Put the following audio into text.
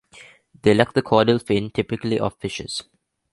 They lack the caudal fin typical of fishes.